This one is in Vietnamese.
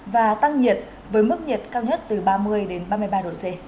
và tăng nhiệt với mức nhiệt cao nhất từ ba mươi đến ba mươi ba độ c